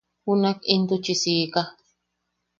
Junak intuchi siika.